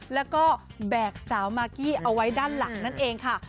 แล้วก็แบกสาวมากกี้เอาไว้ด้านหลังนั่นเองค่ะ